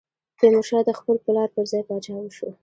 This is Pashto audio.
تیمورشاه د خپل پلار پر ځای پاچا شو.